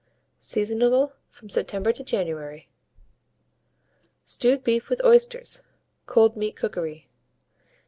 Seasonable from September to January. STEWED BEEF WITH OYSTERS (Cold Meat Cookery).